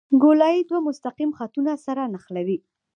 ګولایي دوه مستقیم خطونه سره نښلوي